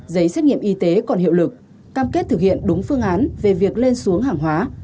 giấy xét nghiệm y tế còn hiệu lực cam kết thực hiện đúng phương án về việc lên xuống hàng hóa